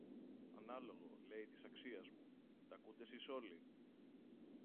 Ανάλογο, λέει, της αξίας μου, τ' ακούτε σεις όλοι;